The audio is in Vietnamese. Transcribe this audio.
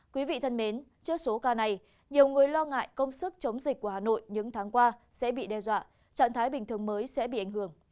quý vị thân mến trước số ca này nhiều người lo ngại công sức chống dịch của hà nội những tháng qua sẽ bị đe dọa trạng thái bình thường mới sẽ bị ảnh hưởng